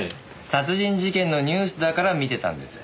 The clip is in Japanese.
殺人事件のニュースだから見てたんです。